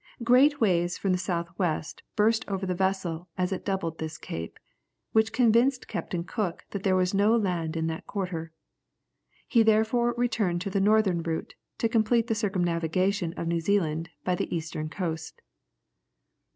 Great waves from the south west burst over the vessel as it doubled this cape, which convinced Captain Cook that there was no land in that quarter. He therefore returned to the northern route, to complete the circumnavigation of New Zealand by the eastern coast.